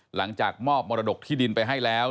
หลังจากมอบมรดกที่ดินไปให้แล้ว